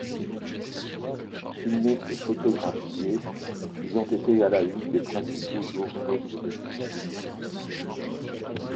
Filmés et photographiés, ils ont été à la une des principaux journaux du Brésil.